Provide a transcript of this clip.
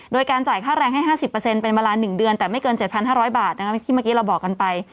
โดยการจ่ายค่าแรงให้๕๐เป็นเวลา๑เดือนแต่ไม่เกิน๗๕๐๐บาทที่เมื่อกี้เราบอกกันไป